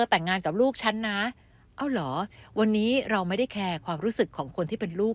แต่งงานกับลูกฉันนะเอาเหรอวันนี้เราไม่ได้แคร์ความรู้สึกของคนที่เป็นลูก